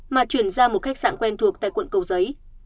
mà chuyển ra một khách sạn quen thuộc tại quận cầu giấy